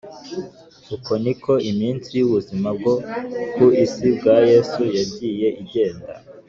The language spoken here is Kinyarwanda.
uko niko iminsi y’ubuzima bwo ku isi bwa yesu yagiye igenda